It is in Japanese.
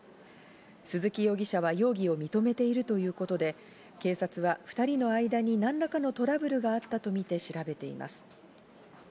鈴木容疑者は容疑を認めているということで、警察は２人の間に何らかのトラブルがあったとみて、調べています。